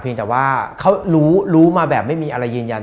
แต่ว่าเขารู้มาแบบไม่มีอะไรยืนยัน